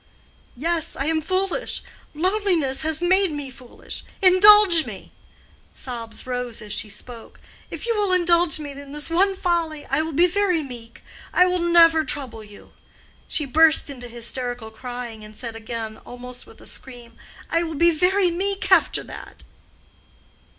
"Yes, I am foolish—loneliness has made me foolish—indulge me." Sobs rose as she spoke. "If you will indulge me in this one folly I will be very meek—I will never trouble you." She burst into hysterical crying, and said again almost with a scream—"I will be very meek after that."